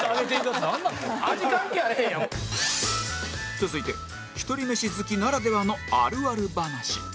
続いてひとり飯好きならではのあるある話